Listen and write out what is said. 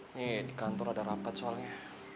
ini di kantor ada rapat soalnya